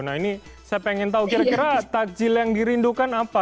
nah ini saya ingin tahu kira kira takjil yang dirindukan apa